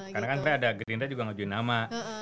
karena kan ada gerindra juga ngejuin nama